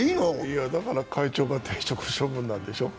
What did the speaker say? いや、だから会長が停職処分なんでしょう。